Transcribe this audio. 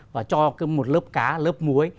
và cho một lớp cá lớp muối